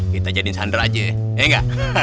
kita jadi sandera aja ya iya gak